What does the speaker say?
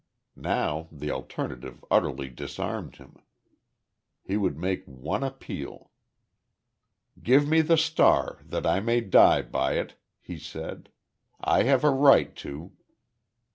Now, the alternative utterly disarmed him. He would make one appeal. "Give me the Star, that I may die by it," he said. "I have a right to."